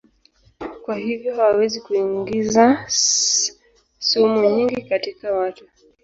Kwa hivyo hawawezi kuingiza sumu nyingi katika watu.